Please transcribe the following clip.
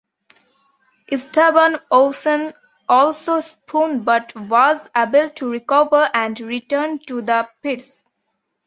Esteban Ocon also spun but was able to recover and return to the pits.